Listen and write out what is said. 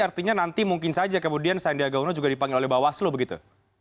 artinya nanti mungkin saja kemudian sandiaga uno juga dipanggil oleh bawaslu begitu